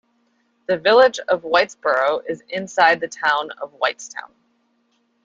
The Village of Whitesboro is inside the Town of Whitestown.